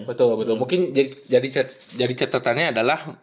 betul betul mungkin jadi catatannya adalah